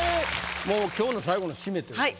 もう今日の最後の締めということで。